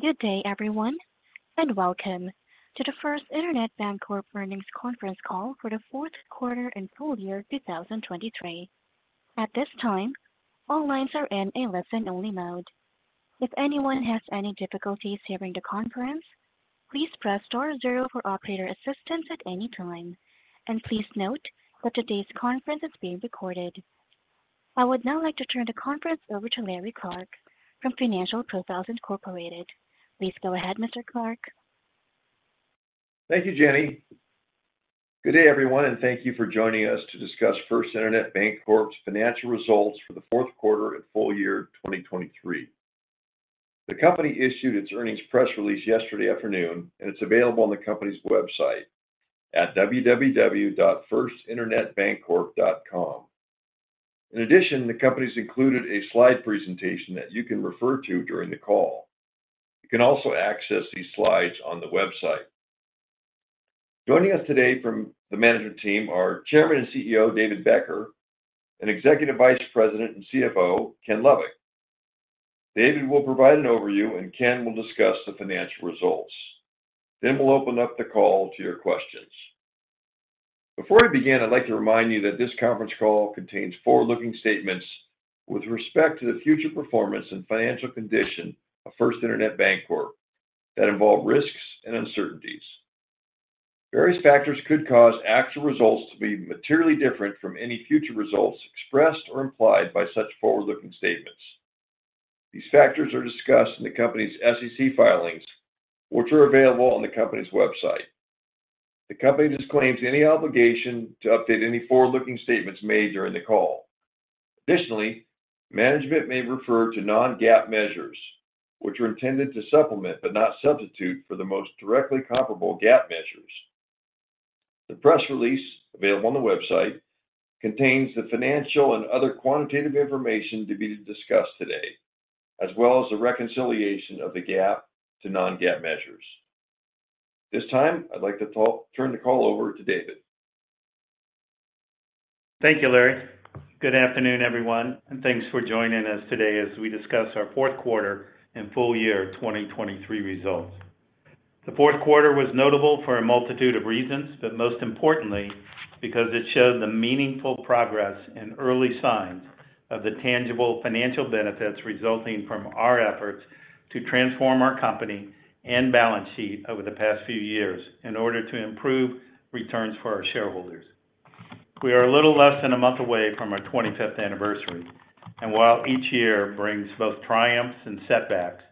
Good day, everyone, and welcome to the First Internet Bancorp earnings conference call for the fourth quarter and full year 2023. At this time, all lines are in a listen-only mode. If anyone has any difficulties hearing the conference, please press star zero for operator assistance at any time. Please note that today's conference is being recorded. I would now like to turn the conference over to Larry Clark from Financial Profiles Incorporated. Please go ahead, Mr. Clark. Thank you, Jenny. Good day, everyone, and thank you for joining us to discuss First Internet Bancorp's financial results for the fourth quarter and full year 2023. The company issued its earnings press release yesterday afternoon, and it's available on the company's website at www.firstinternetbancorp.com. In addition, the company's included a slide presentation that you can refer to during the call. You can also access these slides on the website. Joining us today from the management team are Chairman and CEO, David Becker, and Executive Vice President and CFO, Ken Lovik. David will provide an overview and Ken will discuss the financial results. Then we'll open up the call to your questions. Before we begin, I'd like to remind you that this conference call contains forward-looking statements with respect to the future performance and financial condition of First Internet Bancorp that involve risks and uncertainties. Various factors could cause actual results to be materially different from any future results expressed or implied by such forward-looking statements. These factors are discussed in the company's SEC filings, which are available on the company's website. The company disclaims any obligation to update any forward-looking statements made during the call. Additionally, management may refer to non-GAAP measures, which are intended to supplement, but not substitute, for the most directly comparable GAAP measures. The press release, available on the website, contains the financial and other quantitative information to be discussed today, as well as the reconciliation of the GAAP to non-GAAP measures. This time, I'd like to turn the call over to David. Thank you, Larry. Good afternoon, everyone, and thanks for joining us today as we discuss our fourth quarter and full year 2023 results. The fourth quarter was notable for a multitude of reasons, but most importantly, because it showed the meaningful progress and early signs of the tangible financial benefits resulting from our efforts to transform our company and balance sheet over the past few years in order to improve returns for our shareholders. We are a little less than a month away from our 25th anniversary, and while each year brings both triumphs and setbacks,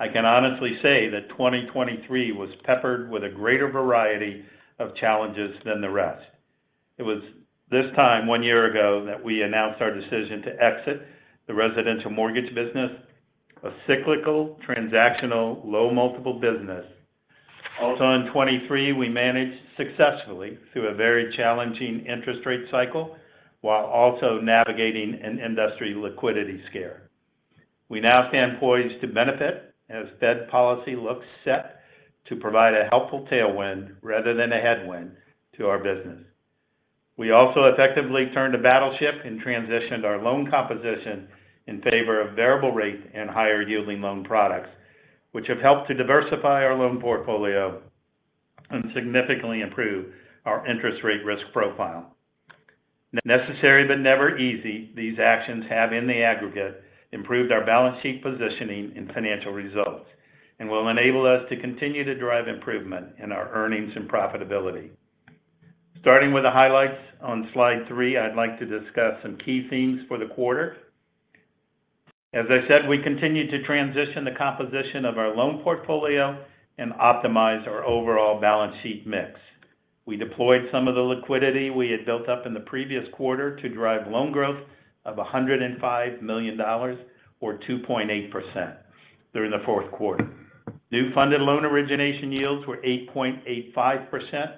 I can honestly say that 2023 was peppered with a greater variety of challenges than the rest. It was this time one year ago that we announced our decision to exit the residential mortgage business, a cyclical, transactional, low multiple business. Also in 2023, we managed successfully through a very challenging interest rate cycle while also navigating an industry liquidity scare. We now stand poised to benefit as Fed policy looks set to provide a helpful tailwind rather than a headwind to our business. We also effectively turned a battleship and transitioned our loan composition in favor of variable rate and higher yielding loan products, which have helped to diversify our loan portfolio and significantly improve our interest rate risk profile. Necessary, but never easy, these actions have, in the aggregate, improved our balance sheet positioning and financial results, and will enable us to continue to drive improvement in our earnings and profitability. Starting with the highlights on slide three, I'd like to discuss some key themes for the quarter. As I said, we continued to transition the composition of our loan portfolio and optimize our overall balance sheet mix. We deployed some of the liquidity we had built up in the previous quarter to drive loan growth of $105 million or 2.8% during the fourth quarter. New funded loan origination yields were 8.85%,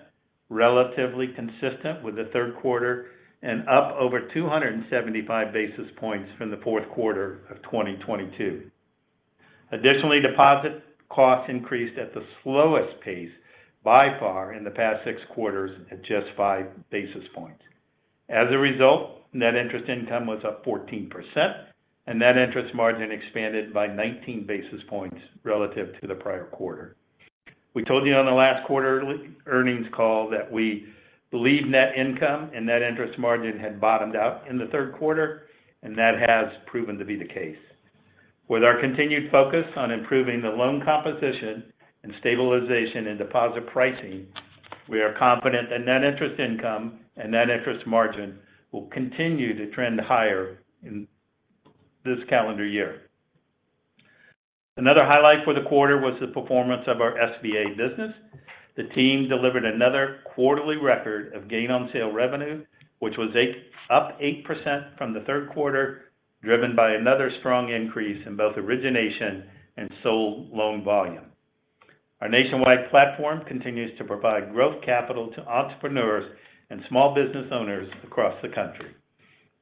relatively consistent with the third quarter and up over 275 basis points from the fourth quarter of 2022. Additionally, deposit costs increased at the slowest pace by far in the past six quarters at just 5 basis points. As a result, net interest income was up 14%, and net interest margin expanded by 19 basis points relative to the prior quarter. We told you on the last quarter earnings call that we believe net income and net interest margin had bottomed out in the third quarter, and that has proven to be the case. With our continued focus on improving the loan composition and stabilization in deposit pricing, we are confident that net interest income and net interest margin will continue to trend higher in this calendar year. Another highlight for the quarter was the performance of our SBA business. The team delivered another quarterly record of gain on sale revenue, which was up 8% from the third quarter, driven by another strong increase in both origination and sold loan volume. Our nationwide platform continues to provide growth capital to entrepreneurs and small business owners across the country,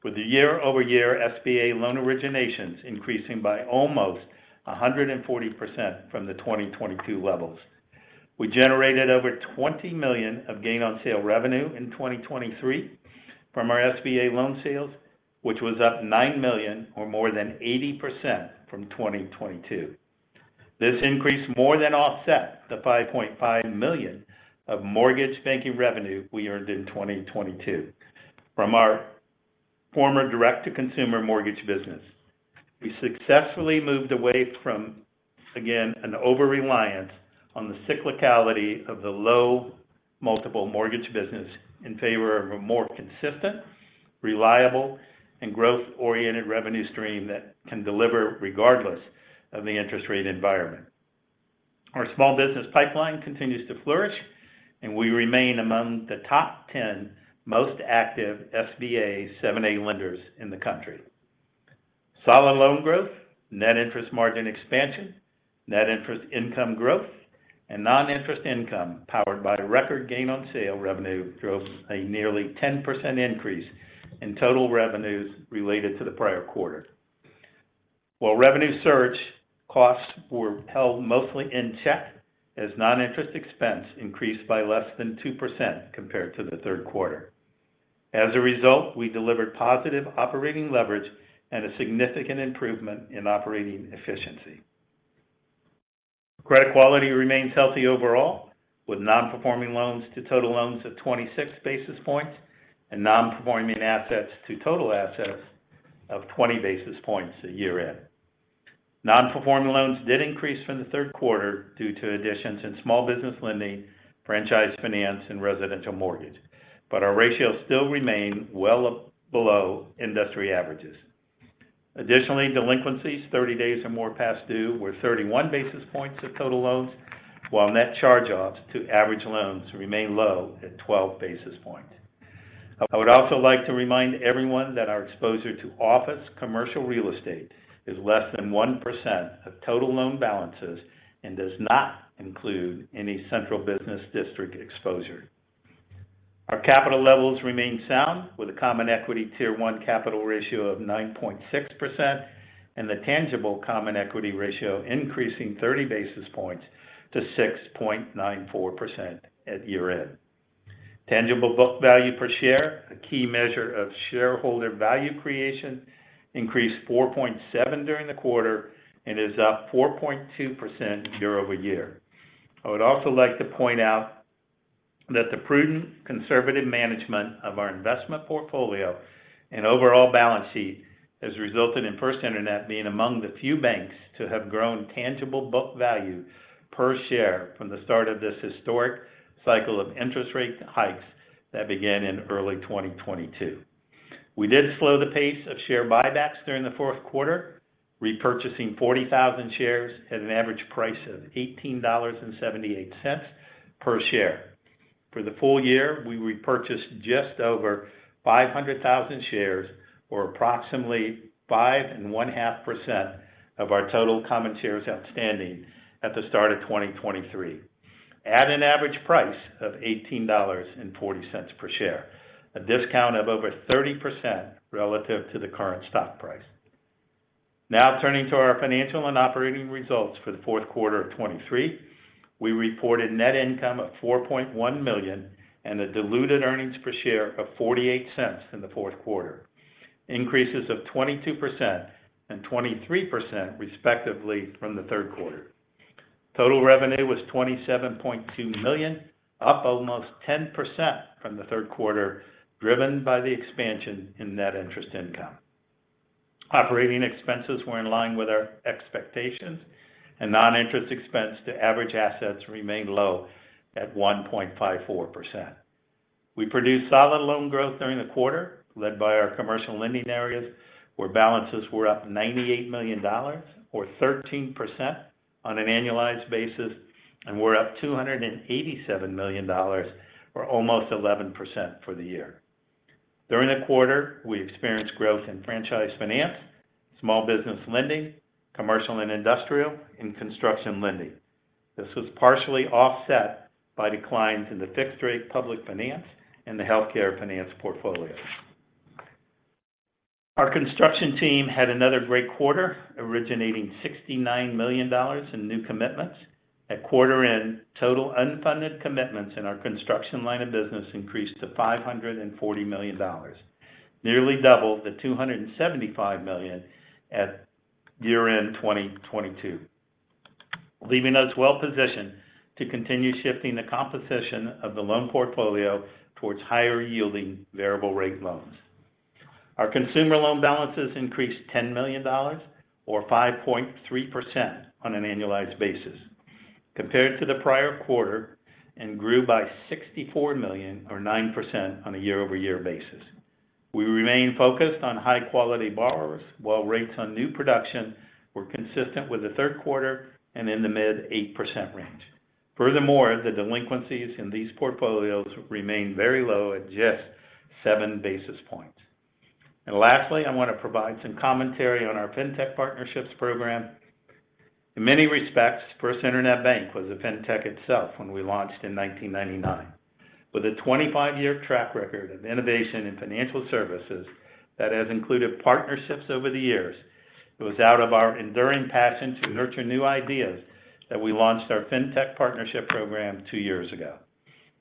with the year-over-year SBA loan originations increasing by almost 140% from the 2022 levels. We generated over $20 million of gain on sale revenue in 2023 from our SBA loan sales, which was up $9 million or more than 80% from 2022. This increase more than offset the $5.5 million of mortgage banking revenue we earned in 2022 from our former direct-to-consumer mortgage business. We successfully moved away from, again, an over-reliance on the cyclicality of the low multiple mortgage business in favor of a more consistent, reliable, and growth-oriented revenue stream that can deliver regardless of the interest rate environment. Our small business pipeline continues to flourish, and we remain among the top 10 most active SBA 7(a) lenders in the country. Solid loan growth, net interest margin expansion, net interest income growth, and non-interest income, powered by record gain on sale revenue, drove a nearly 10% increase in total revenues related to the prior quarter. While revenue surged, costs were held mostly in check as non-interest expense increased by less than 2% compared to the third quarter. As a result, we delivered positive operating leverage and a significant improvement in operating efficiency. Credit quality remains healthy overall, with non-performing loans to total loans of 26 basis points and non-performing assets to total assets of 20 basis points at year-end. Non-performing loans did increase from the third quarter due to additions in small business lending, franchise finance, and residential mortgage, but our ratios still remain well below industry averages. Additionally, delinquencies 30 days or more past due were 31 basis points of total loans, while net charge-offs to average loans remain low at 12 basis points. I would also like to remind everyone that our exposure to office commercial real estate is less than 1% of total loan balances and does not include any central business district exposure. Our capital levels remain sound, with a common equity Tier 1 capital ratio of 9.6% and the tangible common equity ratio increasing 30 basis points to 6.94% at year-end. Tangible book value per share, a key measure of shareholder value creation, increased $4.7 during the quarter and is up 4.2% year-over-year. I would also like to point out that the prudent conservative management of our investment portfolio and overall balance sheet has resulted in First Internet being among the few banks to have grown tangible book value per share from the start of this historic cycle of interest rate hikes that began in early 2022. We did slow the pace of share buybacks during the fourth quarter, repurchasing 40,000 shares at an average price of $18.78 per share. For the full year, we repurchased just over 500,000 shares, or approximately 5.5% of our total common shares outstanding at the start of 2023, at an average price of $18.40 per share, a discount of over 30% relative to the current stock price. Now, turning to our financial and operating results for the fourth quarter of 2023, we reported net income of $4.1 million and a diluted earnings per share of $0.48 in the fourth quarter, increases of 22% and 23% respectively from the third quarter. Total revenue was $27.2 million, up almost 10% from the third quarter, driven by the expansion in net interest income. Operating expenses were in line with our expectations, and non-interest expense to average assets remained low at 1.54%. We produced solid loan growth during the quarter, led by our commercial lending areas, where balances were up $98 million or 13% on an annualized basis, and were up $287 million, or almost 11% for the year. During the quarter, we experienced growth in franchise finance, small business lending, commercial and industrial, and construction lending. This was partially offset by declines in the fixed-rate public finance and the healthcare finance portfolios. Our construction team had another great quarter, originating $69 million in new commitments. At quarter end, total unfunded commitments in our construction line of business increased to $540 million, nearly double the $275 million at year-end 2022, leaving us well-positioned to continue shifting the composition of the loan portfolio towards higher-yielding variable rate loans. Our consumer loan balances increased $10 million or 5.3% on an annualized basis compared to the prior quarter and grew by $64 million or 9% on a year-over-year basis. We remain focused on high-quality borrowers, while rates on new production were consistent with the third quarter and in the mid-8% range. Furthermore, the delinquencies in these portfolios remain very low at just seven basis points. Lastly, I want to provide some commentary on our Fintech Partnerships program. In many respects, First Internet Bank was a Fintech itself when we launched in 1999. With a 25-year track record of innovation in financial services that has included partnerships over the years, it was out of our enduring passion to nurture new ideas that we launched our Fintech Partnership Program two years ago.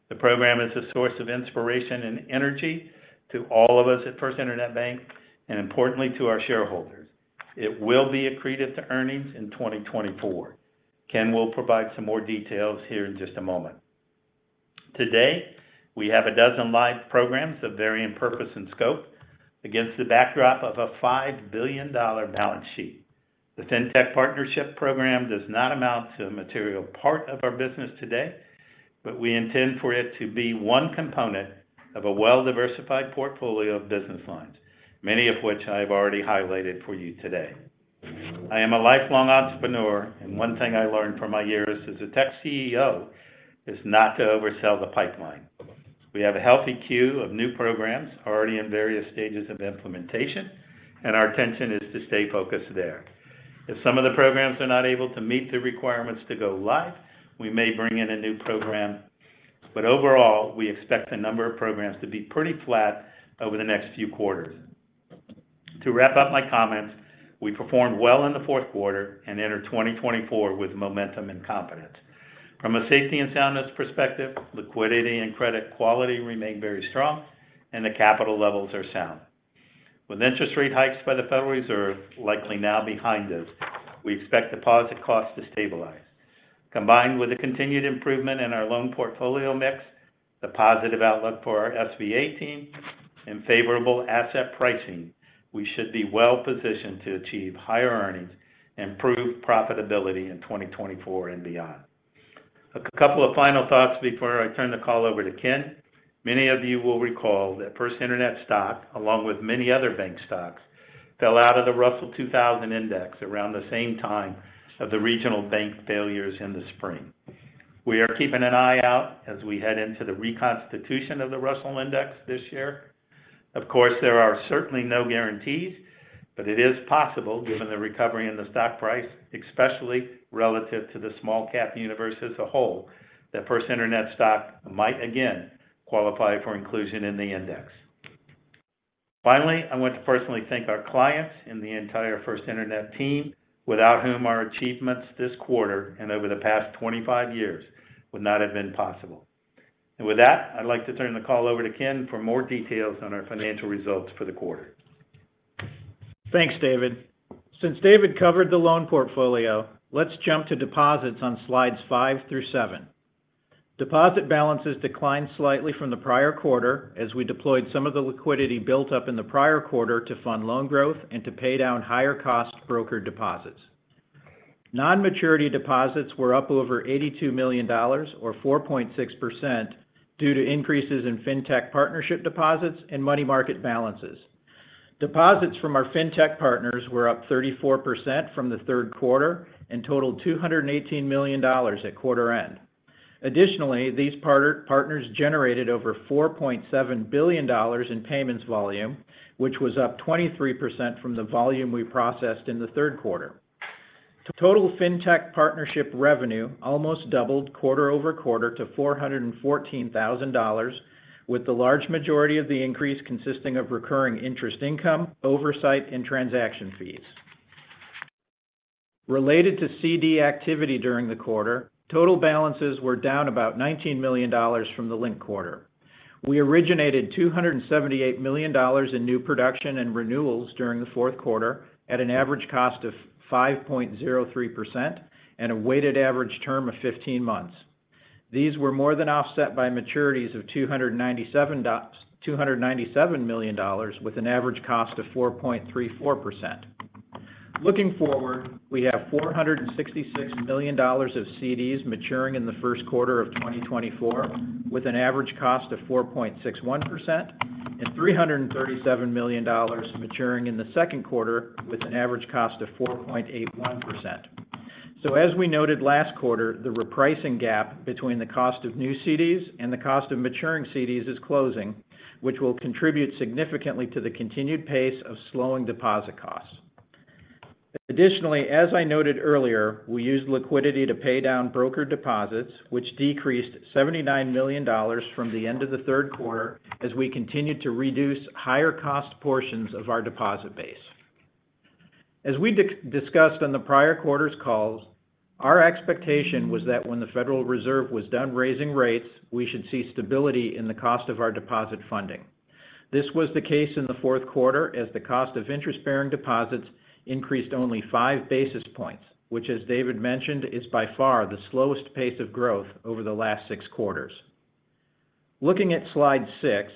The program is a source of inspiration and energy to all of us at First Internet Bank and importantly, to our shareholders. It will be accretive to earnings in 2024. Ken will provide some more details here in just a moment. Today, we have 12 live programs of varying purpose and scope against the backdrop of a $5 billion balance sheet. The Fintech Partnership Program does not amount to a material part of our business today, but we intend for it to be one component of a well-diversified portfolio of business lines, many of which I've already highlighted for you today. I am a lifelong entrepreneur, and one thing I learned from my years as a tech CEO is not to oversell the pipeline. We have a healthy queue of new programs already in various stages of implementation, and our intention is to stay focused there. If some of the programs are not able to meet the requirements to go live, we may bring in a new program. But overall, we expect the number of programs to be pretty flat over the next few quarters. To wrap up my comments, we performed well in the fourth quarter and enter 2024 with momentum and confidence. From a safety and soundness perspective, liquidity and credit quality remain very strong, and the capital levels are sound. With interest rate hikes by the Federal Reserve likely now behind us, we expect deposit costs to stabilize. Combined with the continued improvement in our loan portfolio mix, the positive outlook for our SBA team, and favorable asset pricing, we should be well positioned to achieve higher earnings and improve profitability in 2024 and beyond. A couple of final thoughts before I turn the call over to Ken. Many of you will recall that First Internet stock, along with many other bank stocks, fell out of the Russell 2000 Index around the same time of the regional bank failures in the spring. We are keeping an eye out as we head into the reconstitution of the Russell Index this year. Of course, there are certainly no guarantees, but it is possible, given the recovery in the stock price, especially relative to the small cap universe as a whole, that First Internet stock might again qualify for inclusion in the index. Finally, I want to personally thank our clients and the entire First Internet team, without whom our achievements this quarter and over the past 25 years would not have been possible. With that, I'd like to turn the call over to Ken for more details on our financial results for the quarter. Thanks, David. Since David covered the loan portfolio, let's jump to deposits on slides five through seven. Deposit balances declined slightly from the prior quarter as we deployed some of the liquidity built up in the prior quarter to fund loan growth and to pay down higher cost brokered deposits. Non-maturity deposits were up over $82 million or 4.6% due to increases in Fintech partnership deposits and money market balances. Deposits from our Fintech partners were up 34% from the third quarter and totaled $218 million at quarter end. Additionally, these partner, partners generated over $4.7 billion in payments volume, which was up 23% from the volume we processed in the third quarter. Total fintech partnership revenue almost doubled quarter-over-quarter to $414,000, with the large majority of the increase consisting of recurring interest income, oversight, and transaction fees. Related to CD activity during the quarter, total balances were down about $19 million from the linked quarter. We originated $278 million in new production and renewals during the fourth quarter at an average cost of 5.03% and a weighted average term of 15 months. These were more than offset by maturities of $297 million, with an average cost of 4.34%. Looking forward, we have $466 million of CDs maturing in the first quarter of 2024, with an average cost of 4.61%, and $337 million maturing in the second quarter, with an average cost of 4.81%. So as we noted last quarter, the repricing gap between the cost of new CDs and the cost of maturing CDs is closing, which will contribute significantly to the continued pace of slowing deposit costs. Additionally, as I noted earlier, we used liquidity to pay down brokered deposits, which decreased $79 million from the end of the third quarter as we continued to reduce higher cost portions of our deposit base. As we discussed on the prior quarters calls, our expectation was that when the Federal Reserve was done raising rates, we should see stability in the cost of our deposit funding. This was the case in the fourth quarter, as the cost of interest-bearing deposits increased only 5 basis points, which, as David mentioned, is by far the slowest pace of growth over the last six quarters. Looking at slide six,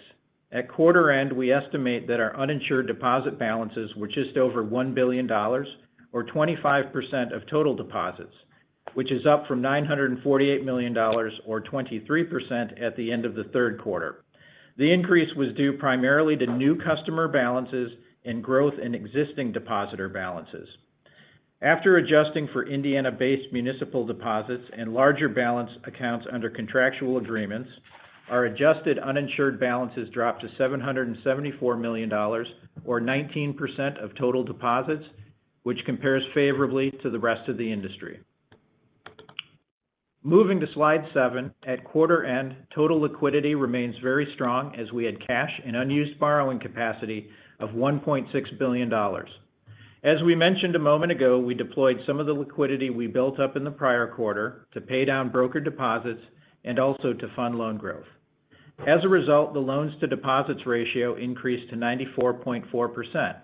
at quarter end, we estimate that our uninsured deposit balances were just over $1 billion or 25% of total deposits, which is up from $948 million or 23% at the end of the third quarter. The increase was due primarily to new customer balances and growth in existing depositor balances. After adjusting for Indiana-based municipal deposits and larger balance accounts under contractual agreements, our adjusted uninsured balances dropped to $774 million or 19% of total deposits, which compares favorably to the rest of the industry. Moving to Slide seven. At quarter end, total liquidity remains very strong as we had cash and unused borrowing capacity of $1.6 billion. As we mentioned a moment ago, we deployed some of the liquidity we built up in the prior quarter to pay down brokered deposits and also to fund loan growth. As a result, the loans to deposits ratio increased to 94.4%.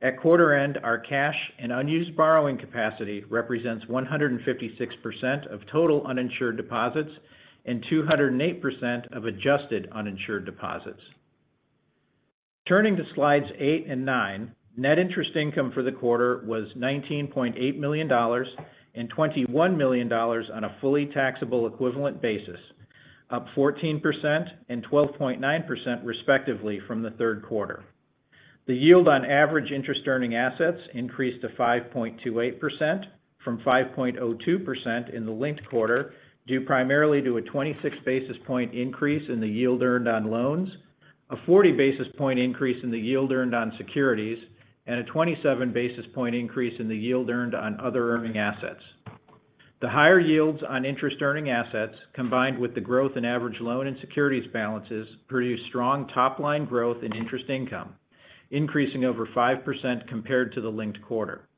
At quarter end, our cash and unused borrowing capacity represents 156% of total uninsured deposits and 208% of adjusted uninsured deposits. Turning to slides eight and nine, net interest income for the quarter was $19.8 million and $21 million on a fully taxable equivalent basis, up 14% and 12.9% respectively from the third quarter. The yield on average interest earning assets increased to 5.28% from 5.02% in the linked quarter, due primarily to a 26 basis point increase in the yield earned on loans, a 40 basis point increase in the yield earned on securities, and a 27 basis point increase in the yield earned on other earning assets. The higher yields on interest earning assets, combined with the growth in average loan and securities balances, produced strong top-line growth in interest income, increasing over 5% compared to the linked quarter.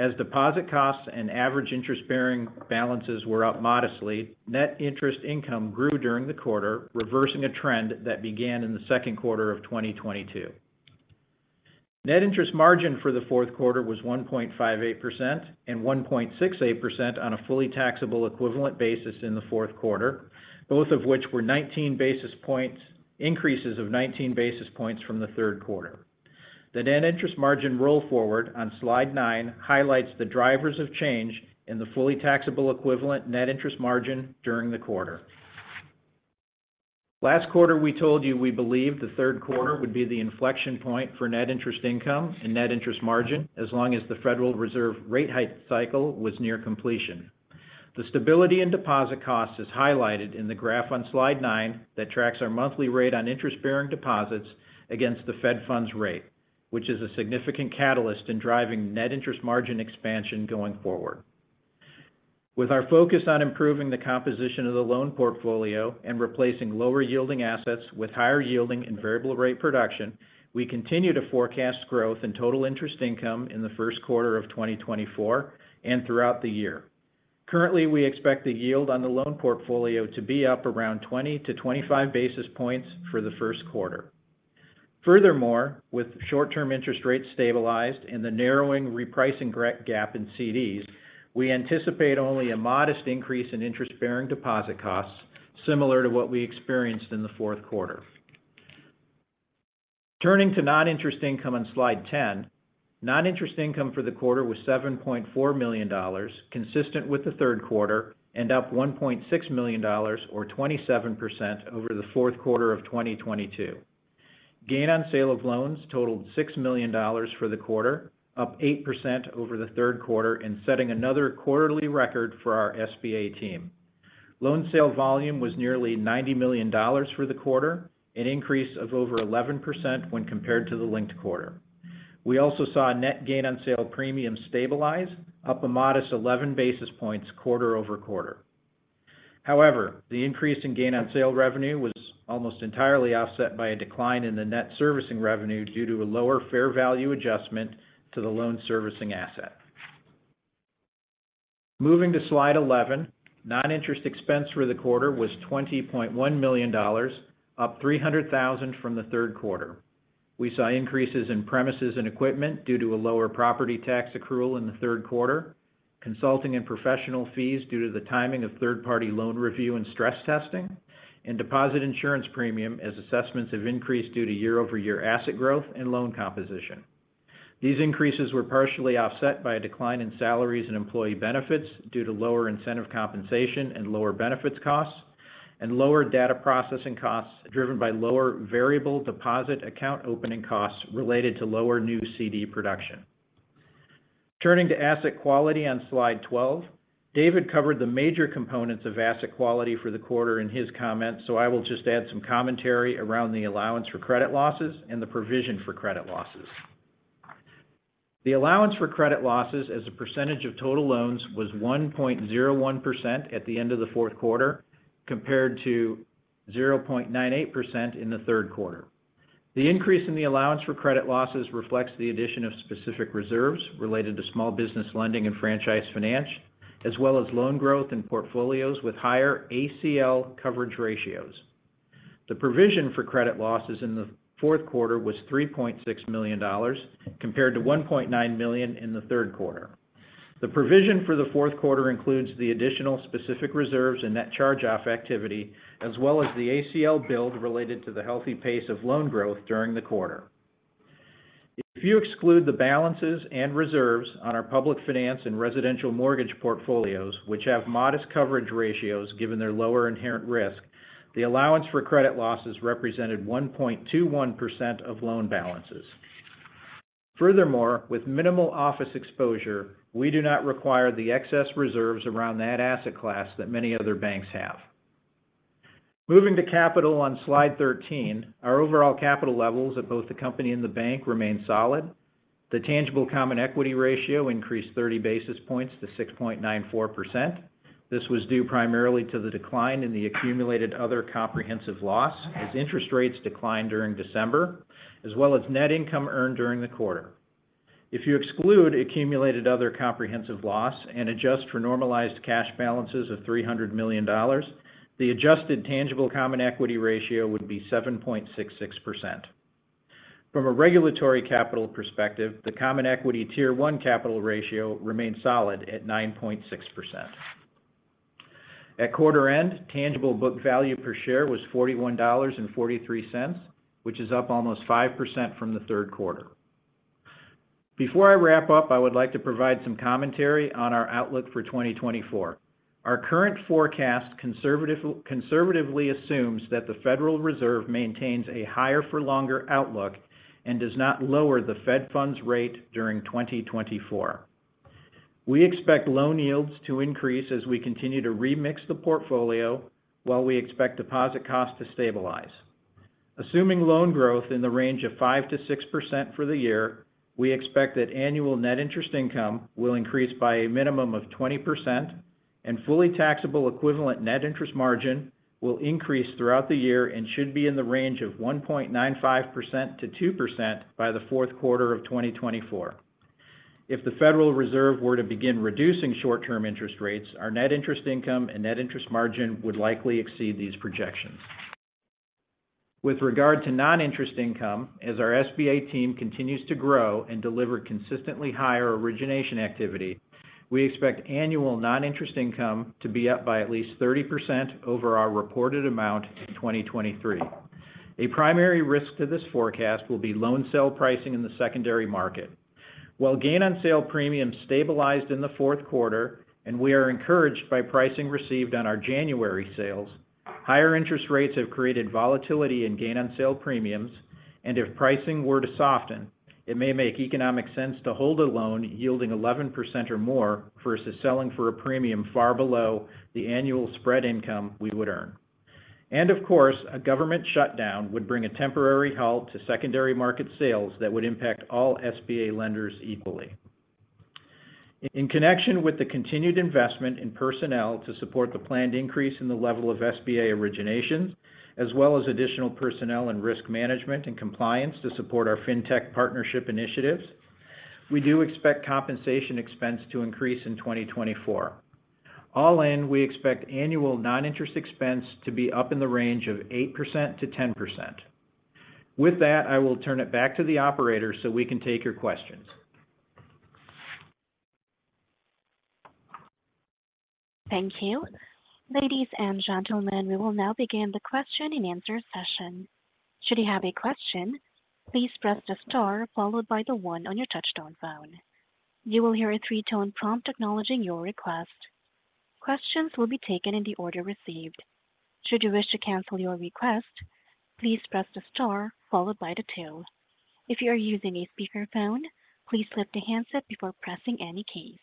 As deposit costs and average interest-bearing balances were up modestly, net interest income grew during the quarter, reversing a trend that began in the second quarter of 2022. Net interest margin for the fourth quarter was 1.58% and 1.68% on a fully taxable equivalent basis in the fourth quarter, both of which were 19 basis points, increases of 19 basis points from the third quarter. The net interest margin roll forward on slide nine highlights the drivers of change in the fully taxable equivalent net interest margin during the quarter. Last quarter, we told you we believe the third quarter would be the inflection point for net interest income and net interest margin, as long as the Federal Reserve rate hike cycle was near completion. The stability in deposit costs is highlighted in the graph on slide nine that tracks our monthly rate on interest-bearing deposits against the Fed funds rate, which is a significant catalyst in driving net interest margin expansion going forward. With our focus on improving the composition of the loan portfolio and replacing lower yielding assets with higher yielding and variable rate production, we continue to forecast growth in total interest income in the first quarter of 2024 and throughout the year. Currently, we expect the yield on the loan portfolio to be up around 20-25 basis points for the first quarter. Furthermore, with short-term interest rates stabilized and the narrowing repricing gap in CDs, we anticipate only a modest increase in interest-bearing deposit costs, similar to what we experienced in the fourth quarter. Turning to non-interest income on slide 10. Non-interest income for the quarter was $7.4 million, consistent with the third quarter, and up $1.6 million or 27% over the fourth quarter of 2022. Gain on sale of loans totaled $6 million for the quarter, up 8% over the third quarter, and setting another quarterly record for our SBA team. Loan sale volume was nearly $90 million for the quarter, an increase of over 11% when compared to the linked quarter. We also saw a net gain on sale premium stabilize, up a modest 11 basis points quarter-over-quarter. However, the increase in gain on sale revenue was almost entirely offset by a decline in the net servicing revenue due to a lower fair value adjustment to the loan servicing asset. Moving to slide 11, non-interest expense for the quarter was $20.1 million, up $300,000 from the third quarter. We saw increases in premises and equipment due to a lower property tax accrual in the third quarter, consulting and professional fees due to the timing of third-party loan review and stress testing, and deposit insurance premium as assessments have increased due to year-over-year asset growth and loan composition. These increases were partially offset by a decline in salaries and employee benefits due to lower incentive compensation and lower benefits costs, and lower data processing costs driven by lower variable deposit account opening costs related to lower new CD production. Turning to asset quality on slide 12. David covered the major components of asset quality for the quarter in his comments, so I will just add some commentary around the allowance for credit losses and the provision for credit losses. The allowance for credit losses as a percentage of total loans was 1.01% at the end of the fourth quarter, compared to 0.98% in the third quarter. The increase in the allowance for credit losses reflects the addition of specific reserves related to small business lending and franchise finance, as well as loan growth in portfolios with higher ACL coverage ratios. The provision for credit losses in the fourth quarter was $3.6 million, compared to $1.9 million in the third quarter. The provision for the fourth quarter includes the additional specific reserves and net charge-off activity, as well as the ACL build related to the healthy pace of loan growth during the quarter. If you exclude the balances and reserves on our public finance and residential mortgage portfolios, which have modest coverage ratios given their lower inherent risk, the allowance for credit losses represented 1.21% of loan balances. Furthermore, with minimal office exposure, we do not require the excess reserves around that asset class that many other banks have. Moving to capital on slide 13, our overall capital levels at both the company and the bank remain solid. The tangible common equity ratio increased 30 basis points to 6.94%. This was due primarily to the decline in the accumulated other comprehensive loss, as interest rates declined during December, as well as net income earned during the quarter. If you exclude accumulated other comprehensive loss and adjust for normalized cash balances of $300 million, the adjusted tangible common equity ratio would be 7.66%. From a regulatory capital perspective, the Common Equity Tier 1 capital ratio remains solid at 9.6%. At quarter end, tangible book value per share was $41.43, which is up almost 5% from the third quarter. Before I wrap up, I would like to provide some commentary on our outlook for 2024. Our current forecast conservatively assumes that the Federal Reserve maintains a higher for longer outlook and does not lower the Fed funds rate during 2024. We expect loan yields to increase as we continue to remix the portfolio, while we expect deposit costs to stabilize. Assuming loan growth in the range of 5%-6% for the year, we expect that annual net interest income will increase by a minimum of 20%, and fully taxable equivalent net interest margin will increase throughout the year and should be in the range of 1.95%-2% by the fourth quarter of 2024. If the Federal Reserve were to begin reducing short-term interest rates, our net interest income and net interest margin would likely exceed these projections. With regard to non-interest income, as our SBA team continues to grow and deliver consistently higher origination activity, we expect annual non-interest income to be up by at least 30% over our reported amount in 2023. A primary risk to this forecast will be loan sale pricing in the secondary market. While gain on sale premiums stabilized in the fourth quarter, and we are encouraged by pricing received on our January sales, higher interest rates have created volatility in gain-on-sale premiums, and if pricing were to soften, it may make economic sense to hold a loan yielding 11% or more versus selling for a premium far below the annual spread income we would earn. Of course, a government shutdown would bring a temporary halt to secondary market sales that would impact all SBA lenders equally. In connection with the continued investment in personnel to support the planned increase in the level of SBA originations, as well as additional personnel and risk management and compliance to support our fintech partnership initiatives, we do expect compensation expense to increase in 2024. All in, we expect annual non-interest expense to be up in the range of 8%-10%. With that, I will turn it back to the operator so we can take your questions. Thank you. Ladies and gentlemen, we will now begin the question-and-answer session. Should you have a question, please press the star followed by the one on your touchtone phone. You will hear a three-tone prompt acknowledging your request. Questions will be taken in the order received. Should you wish to cancel your request, please press the star followed by the two. If you are using a speakerphone, please lift the handset before pressing any keys.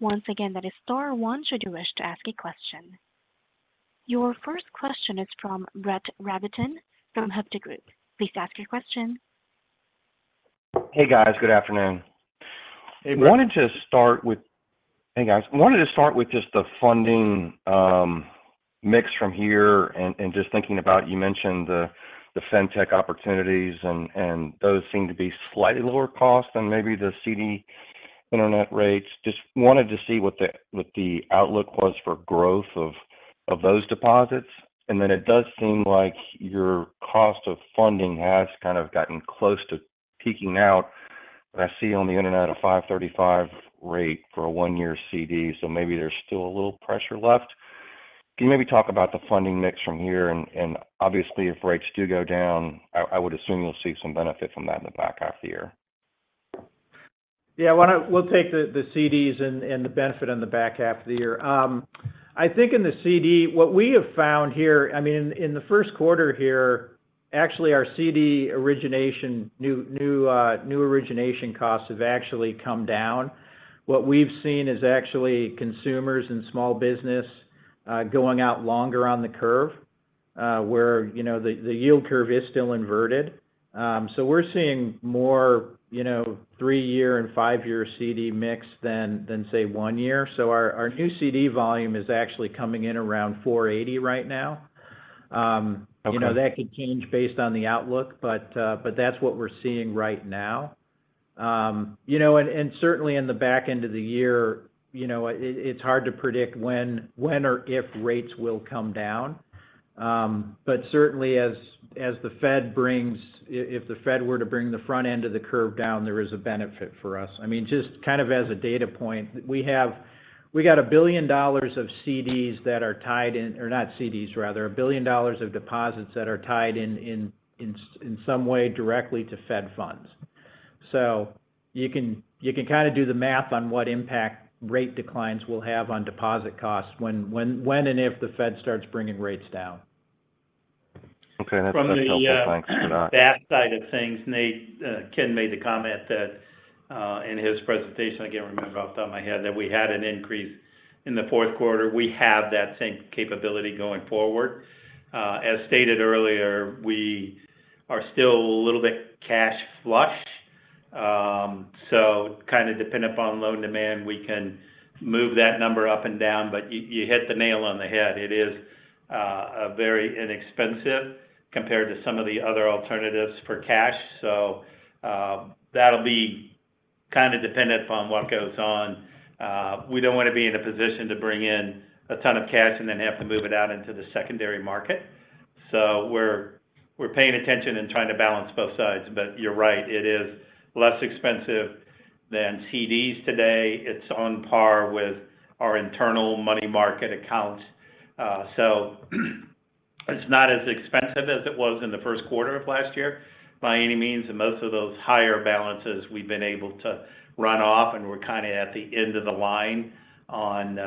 Once again, that is star one should you wish to ask a question. Your first question is from Brett Rabatin from Hovde Group. Please ask your question. Hey, guys. Good afternoon. Hey, Brett. Hey, guys. I wanted to start with just the funding mix from here and just thinking about, you mentioned the fintech opportunities and those seem to be slightly lower cost than maybe the CD internet rates. Just wanted to see what the outlook was for growth of those deposits and then it does seem like your cost of funding has kind of gotten close to peaking out. But I see on the internet a 5.35% rate for a one-year CD, so maybe there's still a little pressure left. Can you maybe talk about the funding mix from here and obviously, if rates do go down, I would assume you'll see some benefit from that in the back half of the year? Yeah. Why don't we take the CDs and the benefit in the back half of the year. I think in the CD, what we have found here, I mean, in the first quarter here, actually, our CD origination new origination costs have actually come down. What we've seen is actually consumers and small business going out longer on the curve, where, you know, the yield curve is still inverted. So we're seeing more, you know, three-year and five-year CD mix than say one-year. So our new CD volume is actually coming in around $480 right now. Okay. You know, that could change based on the outlook, but that's what we're seeing right now. You know, and certainly in the back end of the year, you know, it's hard to predict when or if rates will come down. But certainly if the Fed were to bring the front end of the curve down, there is a benefit for us. I mean, just kind of as a data point, we got $1 billion of CDs that are tied in, or not CDs, rather, $1 billion of deposits that are tied in, in some way directly to Fed funds. So you can kind of do the math on what impact rate declines will have on deposit costs when and if the Fed starts bringing rates down. Okay, that's helpful. Thanks for that. From the back side of things, Ken made the comment that in his presentation, I can't remember off the top of my head, that we had an increase in the fourth quarter. We have that same capability going forward. As stated earlier, we are still a little bit cash flushed. So kind of dependent upon loan demand, we can move that number up and down, but you, you hit the nail on the head. It is very inexpensive compared to some of the other alternatives for cash. So that'll be kind of dependent upon what goes on. We don't want to be in a position to bring in a ton of cash and then have to move it out into the secondary market. So we're paying attention and trying to balance both sides. But you're right, it is less expensive than CDs today. It's on par with our internal money market account. So it's not as expensive as it was in the first quarter of last year, by any means, and most of those higher balances, we've been able to run off, and we're kind of at the end of the line on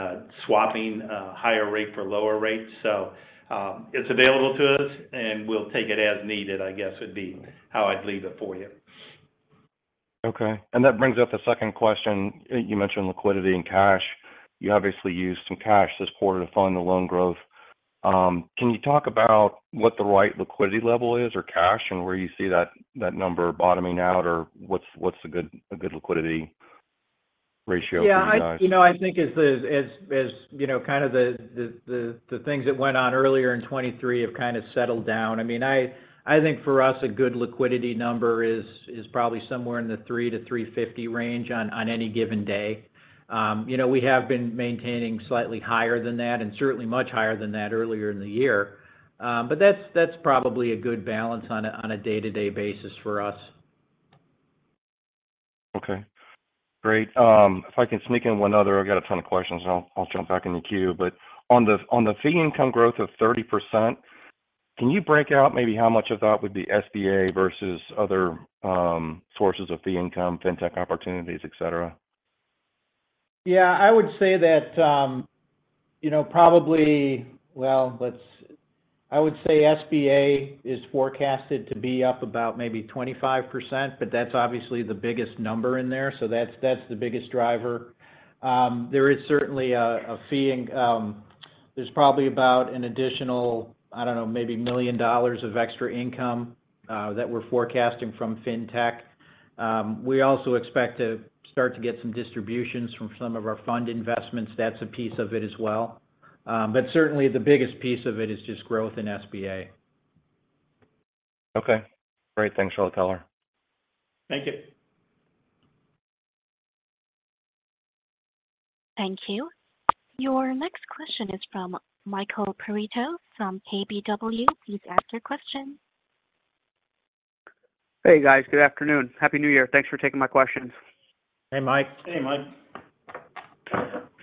swapping higher rate for lower rate. So, it's available to us, and we'll take it as needed, I guess, would be how I'd leave it for you. Okay. That brings up the second question. You mentioned liquidity and cash. You obviously used some cash this quarter to fund the loan growth. Can you talk about what the right liquidity level is, or cash, and where you see that number bottoming out, or what's a good liquidity ratio for you guys? Yeah, you know, I think as you know, kind of the things that went on earlier in 2023 have kind of settled down. I mean, I think for us, a good liquidity number is probably somewhere in the $3-$350 range on any given day. You know, we have been maintaining slightly higher than that, and certainly much higher than that earlier in the year. But that's probably a good balance on a day-to-day basis for us. Okay. Great. If I can sneak in one other—I've got a ton of questions, and I'll jump back in the queue. But on the fee income growth of 30%, can you break out maybe how much of that would be SBA versus other sources of fee income, fintech opportunities, et cetera? Yeah, I would say that, you know, probably. Well, I would say SBA is forecasted to be up about maybe 25%, but that's obviously the biggest number in there, so that's, that's the biggest driver. There is certainly a, a fee in. There's probably about an additional, I don't know, maybe $1 million of extra income, that we're forecasting from fintech. We also expect to start to get some distributions from some of our fund investments. That's a piece of it as well. But certainly, the biggest piece of it is just growth in SBA. Okay. Great. Thanks, turn it over. Thank you. Thank you. Your next question is from Michael Perito from KBW. Please ask your question. Hey, guys. Good afternoon. Happy New Year. Thanks for taking my questions. Hey, Mike. Hey, Mike.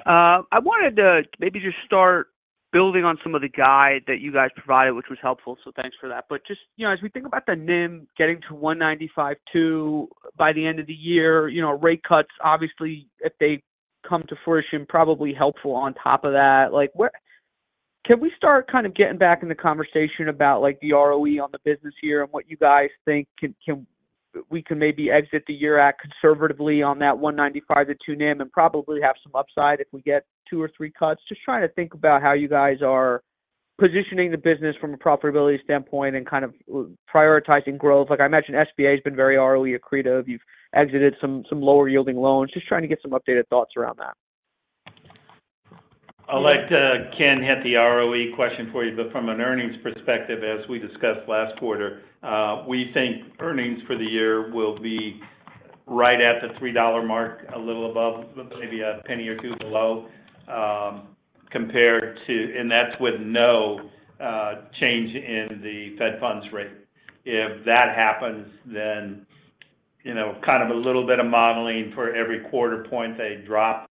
I wanted to maybe just start building on some of the guide that you guys provided, which was helpful, so thanks for that. But just, you know, as we think about the NIM getting to 1.95-2 by the end of the year, you know, rate cuts, obviously, if they come to fruition, probably helpful on top of that. Like, what... Can we start kind of getting back in the conversation about, like, the ROE on the business here and what you guys think we can maybe exit the year at conservatively on that 1.95-2 NIM, and probably have some upside if we get two or three cuts? Just trying to think about how you guys are positioning the business from a profitability standpoint and kind of prioritizing growth. Like, I imagine SBA has been very ROE accretive. You've exited some lower yielding loans. Just trying to get some updated thoughts around that. I'll let Ken hit the ROE question for you. But from an earnings perspective, as we discussed last quarter, we think earnings for the year will be right at the $3 mark, a little above, but maybe a $0.01 or $0.02 below, compared to... And that's with no change in the Fed funds rate. If that happens, then, you know, kind of a little bit of modeling for every quarter point they drop,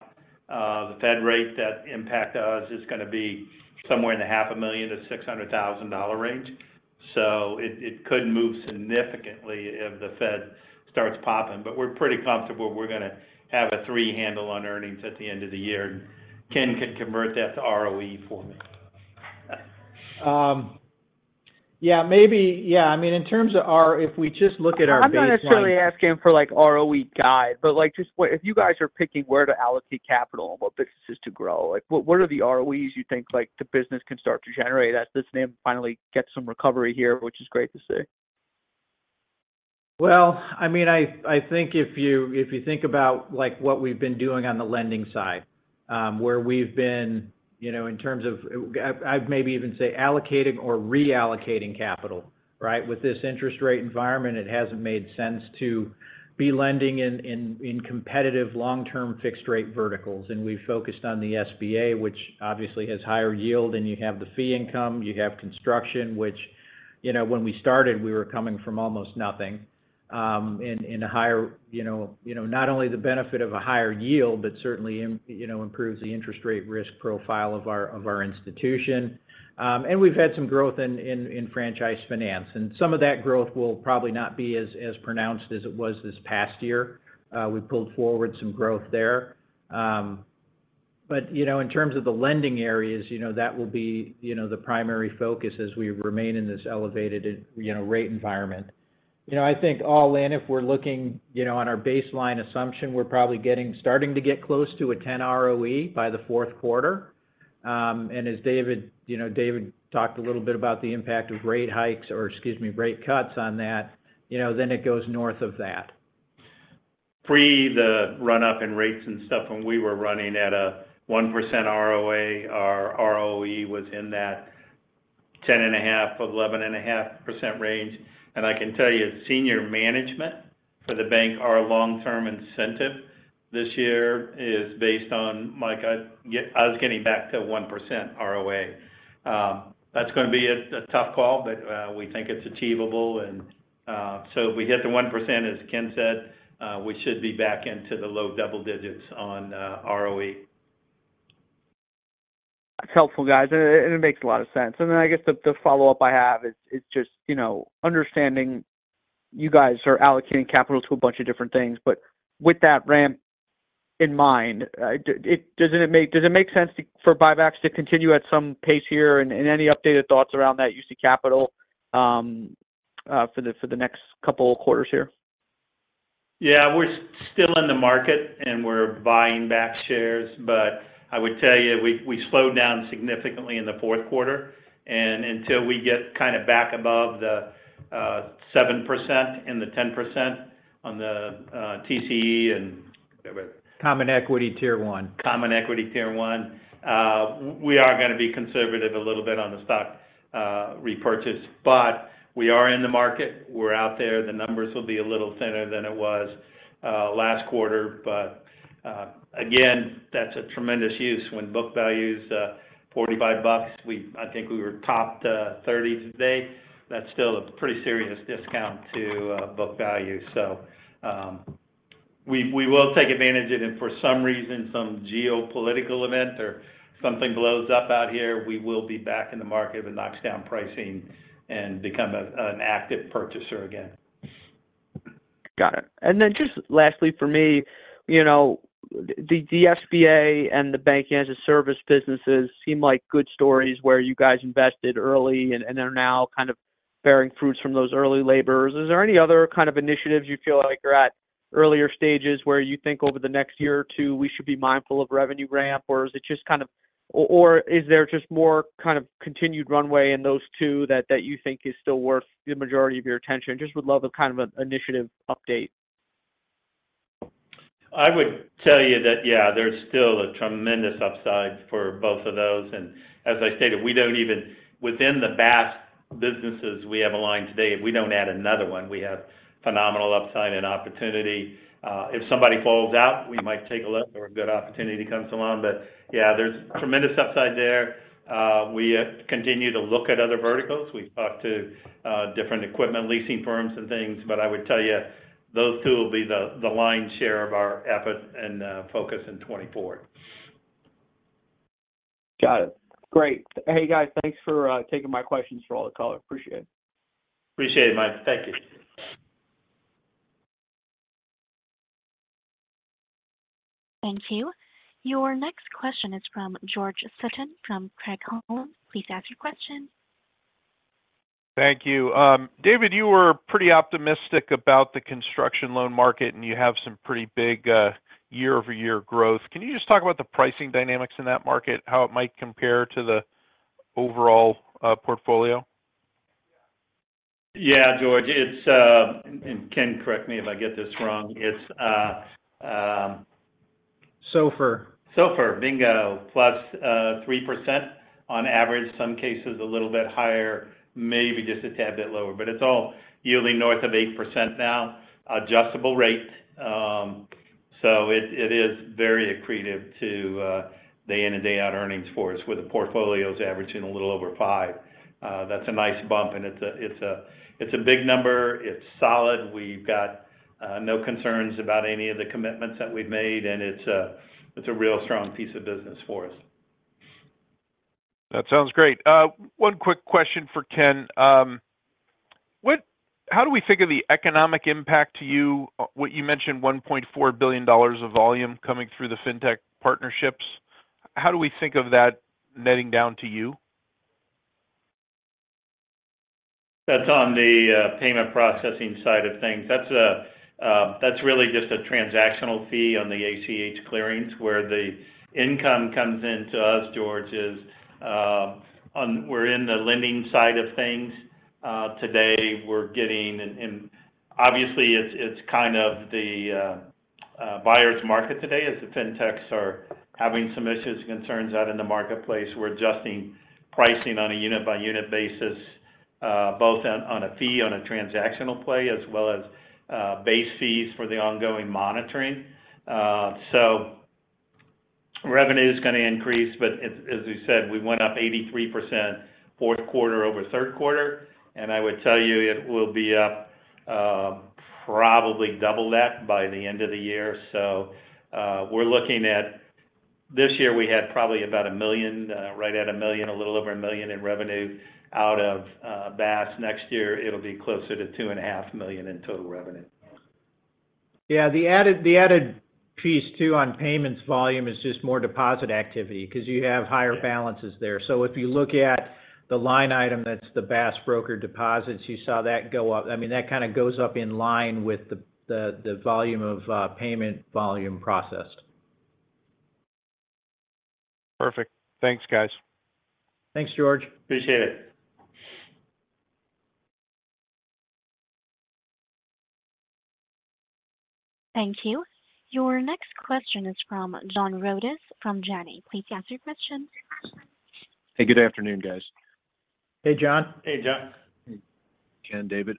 the Fed rate that impact us is gonna be somewhere in the $500,000-$600,000 range. So it could move significantly if the Fed starts popping. But we're pretty comfortable we're gonna have a $3 handle on earnings at the end of the year. Ken can convert that to ROE for me. Yeah, I mean, in terms of our, if we just look at our baseline. I'm not necessarily asking for, like, ROE guide, but, like, just what-- if you guys are picking where to allocate capital and what businesses to grow, like, what, what are the ROEs you think, like, the business can start to generate as this NIM finally gets some recovery here, which is great to see? Well, I mean, I think if you think about, like, what we've been doing on the lending side, where we've been, you know, in terms of... I'd maybe even say allocating or reallocating capital, right? With this interest rate environment, it hasn't made sense to be lending in competitive long-term fixed rate verticals. We've focused on the SBA, which obviously has higher yield, and you have the fee income, you have construction, which, you know, when we started, we were coming from almost nothing, in a higher, you know, not only the benefit of a higher yield, but certainly improves the interest rate risk profile of our institution. We've had some growth in franchise finance, and some of that growth will probably not be as pronounced as it was this past year. We pulled forward some growth there. But, you know, in terms of the lending areas, you know, that will be, you know, the primary focus as we remain in this elevated rate environment. You know, I think all in, if we're looking, you know, on our baseline assumption, we're probably getting close to a 10 ROE by the fourth quarter. As David talked a little bit about the impact of rate hikes or, excuse me, rate cuts on that, you know, then it goes north of that. Pre the run-up in rates and stuff, when we were running at a 1% ROA, our ROE was in that 10.5% or 11.5% range and I can tell you, senior management for the bank, our long-term incentive this year is based on, Mike, I was getting back to 1% ROA. That's going to be a tough call, but we think it's achievable. So if we hit the 1%, as Ken said, we should be back into the low double digits on ROE. That's helpful, guys, and it makes a lot of sense. Then I guess the follow-up I have is just, you know, understanding you guys are allocating capital to a bunch of different things, but with that Ramp in mind, does it make sense for buybacks to continue at some pace here and any updated thoughts around that UC Capital for the next couple of quarters here? Yeah, we're still in the market, and we're buying back shares, but I would tell you, we slowed down significantly in the fourth quarter and until we get kind of back above the 7% and the 10% on the TCE and- Common Equity Tier 1. Common Equity Tier 1, we are going to be conservative a little bit on the stock repurchase, but we are in the market. We're out there. The numbers will be a little thinner than it was last quarter. But again, that's a tremendous use. When book value is $45, I think we were topped $30 today. That's still a pretty serious discount to book value. So, we, we will take advantage of it, and if for some reason, some geopolitical event or something blows up out here, we will be back in the market if it knocks down pricing and become an active purchaser again. Got it. Then just lastly for me, you know, the SBA and the bank as a service businesses seem like good stories where you guys invested early and are now kind of bearing fruits from those early labors. Is there any other kind of initiatives you feel like you're at earlier stages where you think over the next year or two, we should be mindful of revenue ramp or is it just kind of-- or is there just more kind of continued runway in those two that you think is still worth the majority of your attention? Just would love a kind of an initiative update. I would tell you that, yeah, there's still a tremendous upside for both of those. As I stated, within the BaaS businesses we have aligned today, if we don't add another one, we have phenomenal upside and opportunity. If somebody falls out, we might take a look or a good opportunity comes along. But yeah, there's tremendous upside there. We continue to look at other verticals. We've talked to different equipment leasing firms and things, but I would tell you, those two will be the lion's share of our effort and focus in 2024. Got it. Great. Hey, guys, thanks for taking my questions for all the call. I appreciate it. Appreciate it, Mike. Thank you. Thank you. Your next question is from George Sutton from Craig-Hallum. Please ask your question. Thank you. David, you were pretty optimistic about the construction loan market, and you have some pretty big year-over-year growth. Can you just talk about the pricing dynamics in that market, how it might compare to the overall portfolio? Yeah, George, it's... and Ken, correct me if I get this wrong, it's... SOFR. SOFR, bingo, +3% on average. Some cases, a little bit higher, maybe just a tad bit lower, but it's all yielding north of 8% now. Adjustable rate, so it is very accretive to day in and day out earnings for us, with the portfolios averaging a little over five. That's a nice bump, and it's a big number. It's solid. We've got no concerns about any of the commitments that we've made, and it's a real strong piece of business for us. That sounds great. One quick question for Ken. How do we think of the economic impact to you? You mentioned $1.4 billion of volume coming through the Fintech partnerships. How do we think of that netting down to you? That's on the payment processing side of things. That's really just a transactional fee on the ACH clearings. Where the income comes in to us, George, is on, we're in the lending side of things. Today, we're getting... And obviously, it's kind of a buyer's market today, as the fintechs are having some issues and concerns out in the marketplace. We're adjusting pricing on a unit-by-unit basis, both on a fee, on a transactional play, as well as base fees for the ongoing monitoring. So revenue is going to increase, but as we said, we went up 83% fourth quarter-over-third quarter, and I would tell you it will be up probably double that by the end of the year. So, we're looking at this year, we had probably about $1 million, right at $1 million, a little over $1 million in revenue out of BaaS. Next year, it'll be closer to $2.5 million in total revenue. Yeah, the added piece too on payments volume is just more deposit activity, because you have higher balances there. So if you look at the line item, that's the brokered deposits, you saw that go up. I mean, that kind of goes up in line with the volume of payment volume processed. Perfect. Thanks, guys. Thanks, George. Appreciate it. Thank you. Your next question is from John Rodis from Janney. Please ask your question. Hey, good afternoon, guys. Hey, John. Hey, John. Ken, David.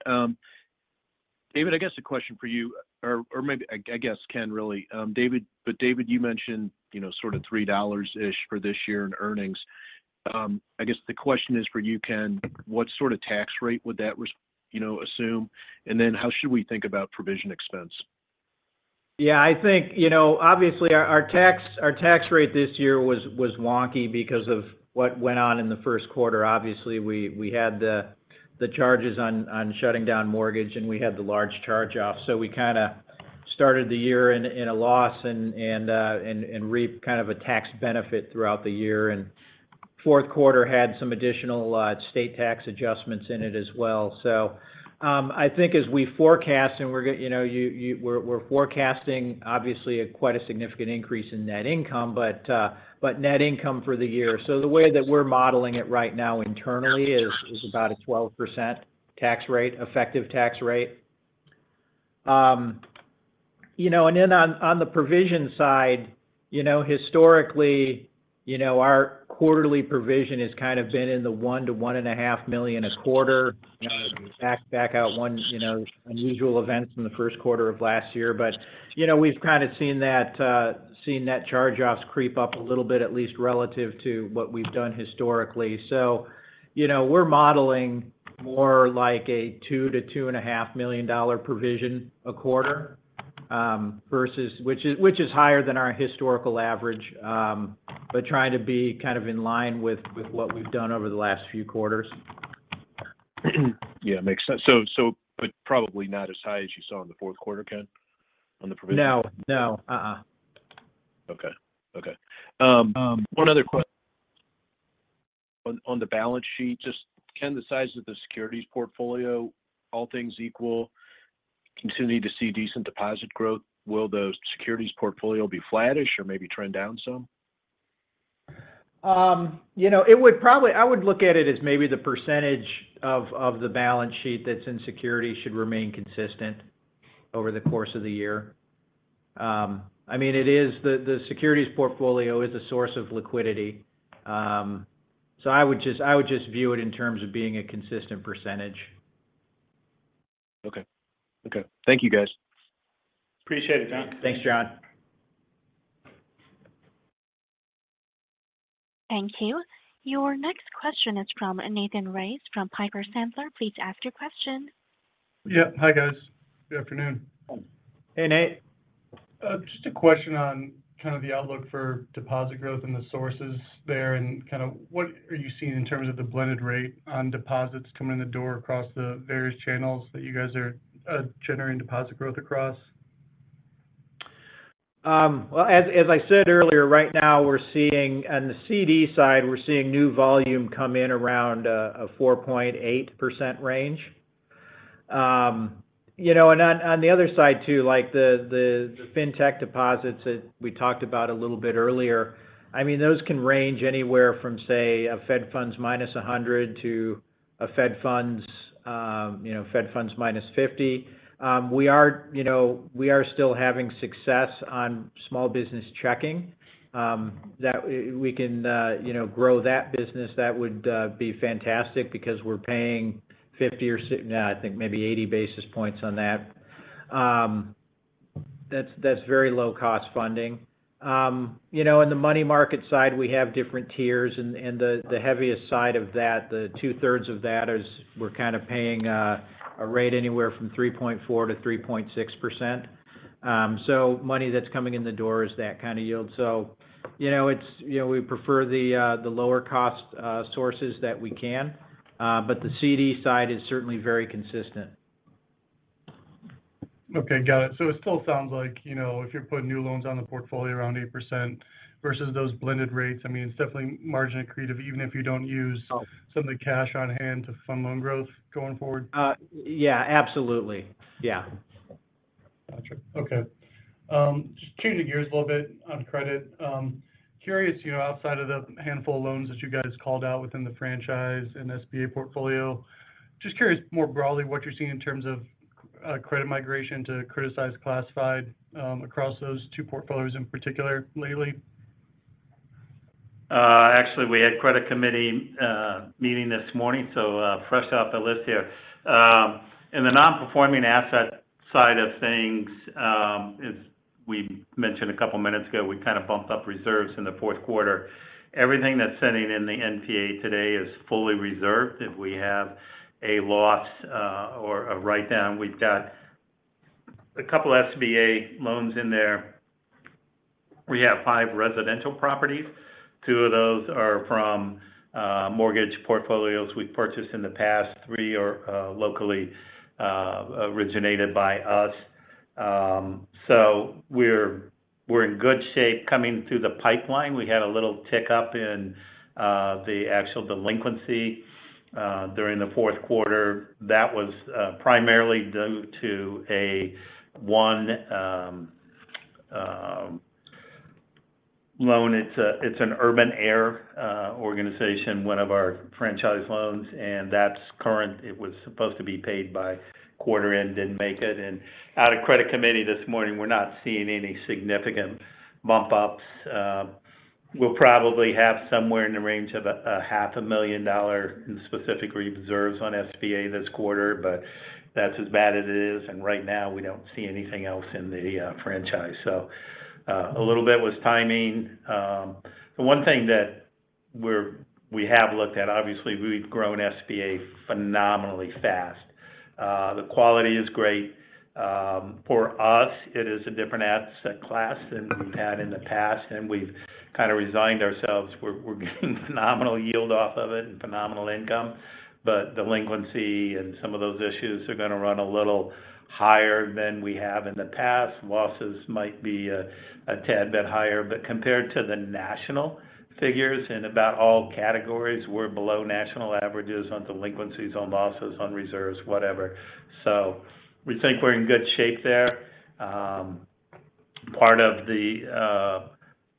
David, I guess the question for you, Ken, really. David, but David, you mentioned, you know, sort of $3-ish for this year in earnings. I guess the question is for you, Ken, what sort of tax rate would that res- you know, assume and then how should we think about provision expense? Yeah, I think, you know, obviously our tax rate this year was wonky because of what went on in the first quarter. Obviously, we had the charges on shutting down mortgage, and we had the large charge-off. So we kind of started the year in a loss and reaped kind of a tax benefit throughout the year. Fourth quarter had some additional state tax adjustments in it as well. So, I think as we forecast, and we're gonna, you know, we're forecasting obviously quite a significant increase in net income, but net income for the year. So the way that we're modeling it right now internally is about a 12% tax rate, effective tax rate. You know, and then on the provision side, you know, historically, you know, our quarterly provision has kind of been in the $1-$1.5 million a quarter. You know, back out one unusual events in the first quarter of last year. But, you know, we've kind of seen net charge-offs creep up a little bit, at least relative to what we've done historically. So, you know, we're modeling more like a $2-$2.5 million dollar provision a quarter, versus, which is higher than our historical average, but trying to be kind of in line with what we've done over the last few quarters. Yeah, makes sense. So, but probably not as high as you saw in the fourth quarter, Ken, on the provision? No, no. Okay. Okay. One other. On the balance sheet, just, Ken, the size of the securities portfolio, all things equal, continuing to see decent deposit growth, will the securities portfolio be flattish or maybe trend down some? You know, it would probably. I would look at it as maybe the percentage of the balance sheet that's in securities should remain consistent over the course of the year. I mean, it is. The securities portfolio is a source of liquidity. So I would just view it in terms of being a consistent percentage. Okay. Okay. Thank you, guys. Appreciate it, John. Thanks, John. Thank you. Your next question is from Nathan Race, from Piper Sandler. Please ask your question. Yeah. Hi, guys. Good afternoon. Hey, Nate. Just a question on kind of the outlook for deposit growth and the sources there, and kind of what are you seeing in terms of the blended rate on deposits coming in the door across the various channels that you guys are generating deposit growth across? Well, as I said earlier, right now, we're seeing—on the CD side, we're seeing new volume come in around a 4.8% range. You know, and on the other side, too, like the fintech deposits that we talked about a little bit earlier, I mean, those can range anywhere from, say, Fed funds -100 to Fed funds -50. You know, we are still having success on small business checking that we can, you know, grow that business. That would be fantastic because we're paying 50 or 60... I think maybe 80 basis points on that. That's very low-cost funding. You know, in the money market side, we have different tiers, and the heaviest side of that, the 2/3 of that is we're kind of paying a rate anywhere from 3.4%-3.6%. So money that's coming in the door is that kind of yield. So you know, you know, we prefer the lower cost sources that we can, but the CD side is certainly very consistent. Okay, got it. So it still sounds like, you know, if you're putting new loans on the portfolio around 8% versus those blended rates, I mean, it's definitely margin accretive, even if you don't use some of the cash on hand to fund loan growth going forward. Yeah, absolutely. Yeah. Gotcha. Okay. Just changing gears a little bit on credit. Curious, you know, outside of the handful of loans that you guys called out within the franchise and SBA portfolio, just curious more broadly, what you're seeing in terms of credit migration to criticized classified, across those two portfolios in particular, lately? Actually, we had credit committee meeting this morning, so fresh off the list here. In the non-performing asset side of things, as we mentioned a couple of minutes ago, we kind of bumped up reserves in the fourth quarter. Everything that's sitting in the NPA today is fully reserved. If we have a loss or a write-down, we've got a couple of SBA loans in there. We have five residential properties. Two of those are from mortgage portfolios we've purchased in the past. Three are locally originated by us. So we're in good shape coming through the pipeline. We had a little tick up in the actual delinquency during the fourth quarter. That was primarily due to one loan. It's an Urban Air organization, one of our franchise loans, and that's current. It was supposed to be paid by quarter end, didn't make it and out of credit committee this morning, we're not seeing any significant bump ups. We'll probably have somewhere in the range of $500,000 in specific reserves on SBA this quarter, but that's as bad as it is, and right now, we don't see anything else in the franchise. So, a little bit was timing. The one thing that we have looked at, obviously, we've grown SBA phenomenally fast. The quality is great. For us, it is a different asset class than we've had in the past, and we've kind of resigned ourselves. We're getting phenomenal yield off of it and phenomenal income, but delinquency and some of those issues are gonna run a little higher than we have in the past. Losses might be a tad bit higher, but compared to the national figures in about all categories, we're below national averages on delinquencies, on losses, on reserves, whatever. So we think we're in good shape there. Part of the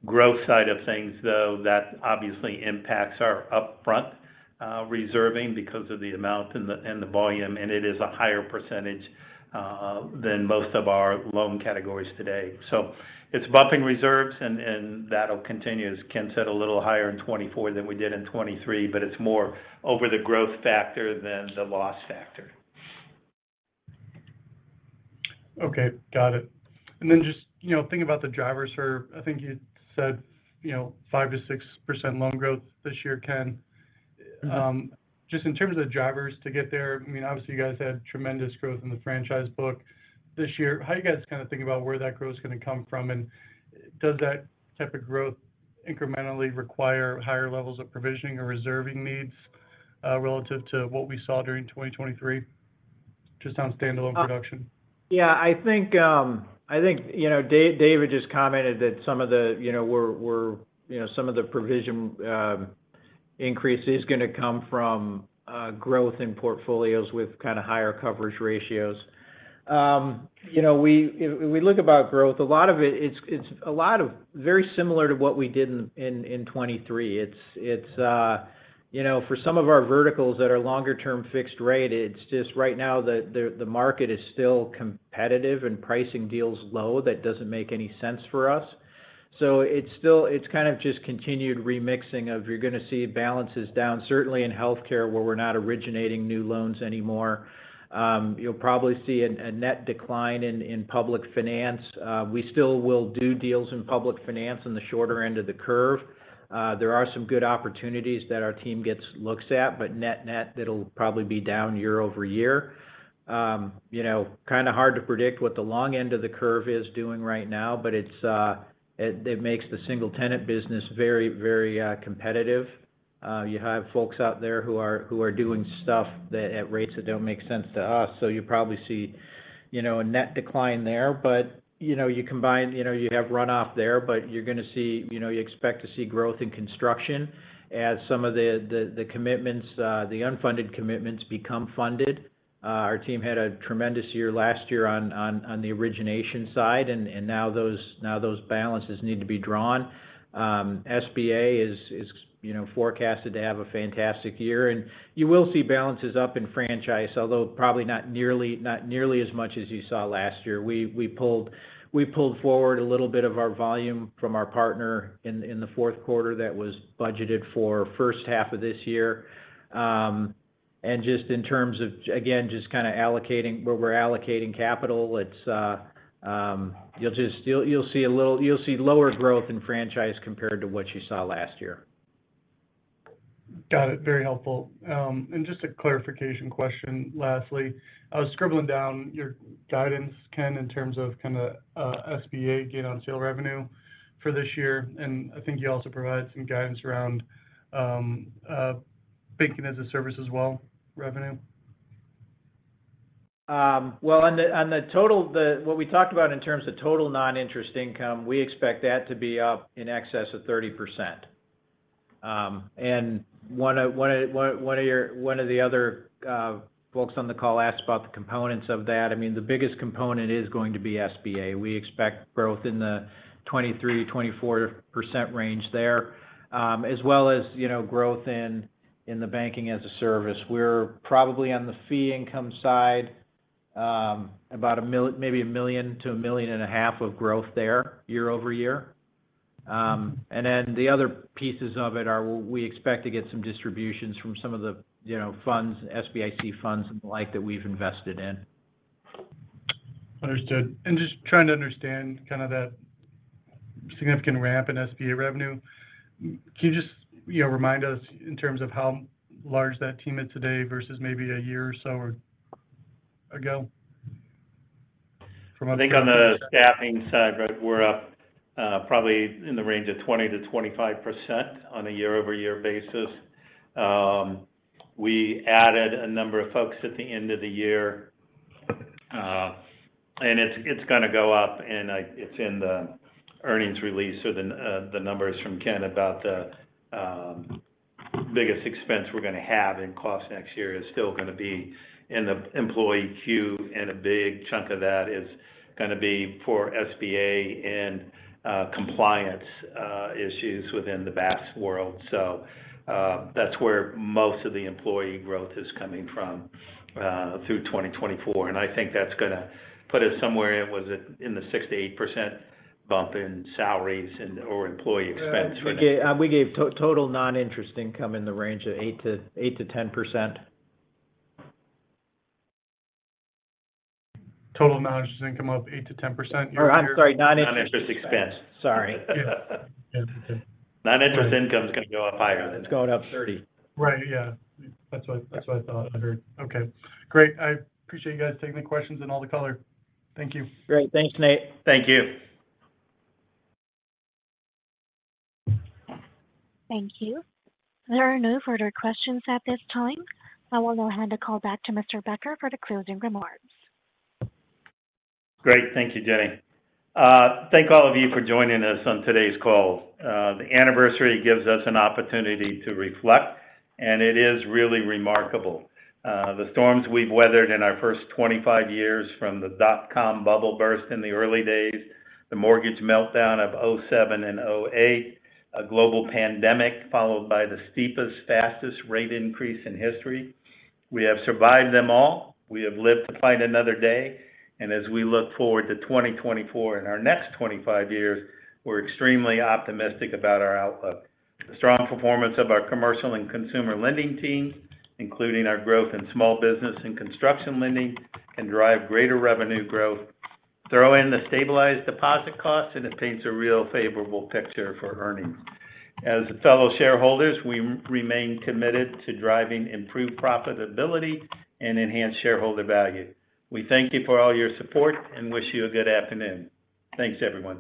growth side of things, though, that obviously impacts our upfront reserving because of the amount and the volume, and it is a higher percentage than most of our loan categories today. So it's buffing reserves, and that'll continue, as Ken said, a little higher in 2024 than we did in 2023, but it's more over the growth factor than the loss factor. Okay, got it. Then just, you know, thinking about the drivers for, I think you said, you know, 5%-6% loan growth this year, Ken. Just in terms of the drivers to get there, I mean, obviously, you guys had tremendous growth in the franchise book this year. How are you guys kinda thinking about where that growth is gonna come from and does that type of growth incrementally require higher levels of provisioning or reserving needs, relative to what we saw during 2023, just on standalone production? Yeah, I think, I think, you know, David just commented that some of the, you know, we're, we're- you know, some of the provision, increase is gonna come from, growth in portfolios with kinda higher coverage ratios. You know, we- if we look about growth, a lot of it, it's, it's a lot of very similar to what we did in, in, in 2023. It's, it's, you know, for some of our verticals that are longer term fixed rate, it's just right now, the, the, the market is still competitive and pricing deals low, that doesn't make any sense for us. So it's still- it's kind of just continued remixing of you're gonna see balances down, certainly in healthcare, where we're not originating new loans anymore. You'll probably see a net decline in public finance. We still will do deals in public finance in the shorter end of the curve. There are some good opportunities that our team gets looks at, but net-net, it'll probably be down year-over-year. You know, kinda hard to predict what the long end of the curve is doing right now, but it's makes the single tenant business very, very competitive. You have folks out there who are doing stuff that at rates that don't make sense to us, so you probably see, you know, a net decline there. You know, you combine you know, you have runoff there, but you're gonna see. You know, you expect to see growth in construction as some of the commitments, the unfunded commitments become funded. Our team had a tremendous year last year on the origination side, and now those balances need to be drawn. SBA is, you know, forecasted to have a fantastic year. You will see balances up in franchise, although probably not nearly as much as you saw last year. We pulled forward a little bit of our volume from our partner in the fourth quarter that was budgeted for first half of this year. Just in terms of, again, just kinda allocating where we're allocating capital, it's you'll just see lower growth in franchise compared to what you saw last year. Got it. Very helpful. Just a clarification question lastly. I was scribbling down your guidance, Ken, in terms of kinda, SBA gain on sale revenue for this year, and I think you also provided some guidance around banking-as-a-service as well, revenue. Well, on the total, what we talked about in terms of total non-interest income, we expect that to be up in excess of 30%. One of the other folks on the call asked about the components of that. I mean, the biggest component is going to be SBA. We expect growth in the 23%-24% range there, as well as, you know, growth in the banking-as-a-service. We're probably on the fee income side, about $1 million-$1.5 million of growth there year-over-year. Then the other pieces of it are, we expect to get some distributions from some of the, you know, funds, SBIC funds and the like that we've invested in. Understood. Just trying to understand kind of that significant ramp in SBA revenue, can you just, you know, remind us in terms of how large that team is today versus maybe a year or so ago? I think on the staffing side, right, we're up probably in the range of 20%-25% on a year-over-year basis. We added a number of folks at the end of the year, and it's, it's gonna go up, and it's in the earnings release. So the numbers from Ken about the biggest expense we're gonna have in costs next year is still gonna be in the employee queue, and a big chunk of that is gonna be for SBA and compliance issues within the BaaS world. So that's where most of the employee growth is coming from through 2024 and I think that's gonna put us somewhere, was it in the 6%-8% bump in salaries and or employee expense? Yeah, we gave total noninterest income in the range of 8%-10%. Total non-interest income up 8%-10% year-over-year? Oh, I'm sorry, non-interest- Non-interest expense. Sorry. Yeah. Non-interest income is gonna go up higher than- It's going up 30. Right, yeah. That's what, that's what I heard. Okay, great. I appreciate you guys taking the questions and all the color. Thank you. Great. Thanks, Nate. Thank you. Thank you. There are no further questions at this time. I will now hand the call back to Mr. Becker for the closing remarks. Great. Thank you, Jenny. Thank all of you for joining us on today's call. The anniversary gives us an opportunity to reflect, and it is really remarkable. The storms we've weathered in our first 25 years from the dot-com bubble burst in the early days, the mortgage meltdown of 2007 and 2008, a global pandemic, followed by the steepest, fastest rate increase in history. We have survived them all. We have lived to fight another day, and as we look forward to 2024 and our next 25 years, we're extremely optimistic about our outlook. The strong performance of our commercial and consumer lending team, including our growth in small business and construction lending, can drive greater revenue growth. Throw in the stabilized deposit costs, and it paints a real favorable picture for earnings. As fellow shareholders, we remain committed to driving improved profitability and enhanced shareholder value. We thank you for all your support and wish you a good afternoon. Thanks, everyone.